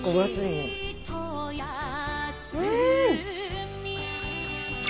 うん！